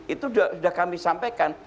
itu sudah kami sampaikan